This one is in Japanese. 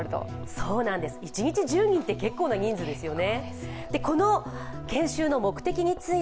そうなんです、一日１０人って結構な人数ですよね。